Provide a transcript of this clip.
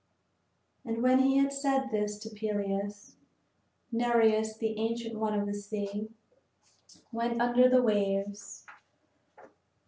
And when he had said this to Peleus, Nereus, the ancient one of the sea, went under the waves.